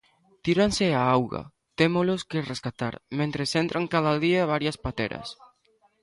Tíranse á auga, témolos que rescatar, mentres entran cada día varias pateras.